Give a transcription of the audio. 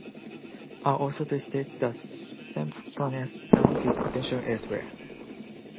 Our authority states that Sempronius turned his attention elsewhere.